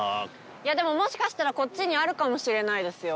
いやでももしかしたらこっちにあるかもしれないですよ